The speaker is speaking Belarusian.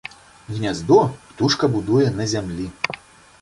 Гняздо птушка будуе на зямлі.